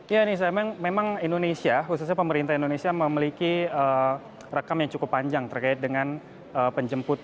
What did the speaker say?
ya nisa memang indonesia khususnya pemerintah indonesia memiliki rekam yang cukup panjang terkait dengan penjemput